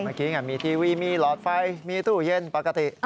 เมื่อกี้มีทีวีมีหลอดไฟมีตู้เย็นปกติ